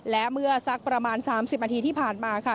และเมื่อสักประมาณ๓๐นาทีที่ผ่านมาค่ะ